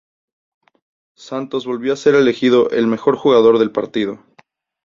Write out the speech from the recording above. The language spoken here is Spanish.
Santos volvió a ser elegido el mejor jugador del partido.